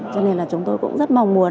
cho nên là chúng tôi cũng rất mong muốn